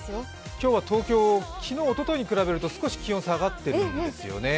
今日は東京、昨日、おとといに比べると少し気温が下がっているんですよね。